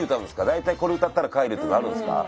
大体これ歌ったら帰るとかあるんすか？